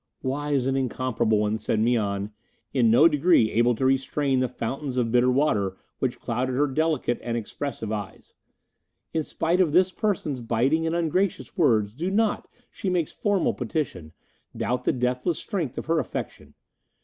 "Wise and incomparable one," said Mian, in no degree able to restrain the fountains of bitter water which clouded her delicate and expressive eyes, "in spite of this person's biting and ungracious words do not, she makes a formal petition, doubt the deathless strength of her affection.